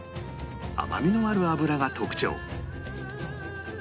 甘みのある脂が特徴